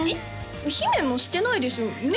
姫もしてないですよね？